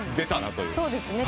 そうですね。